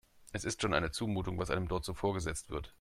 Es ist schon eine Zumutung, was einem dort so vorgesetzt wird.